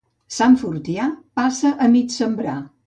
Sant Fortià, passa a mig sembrar.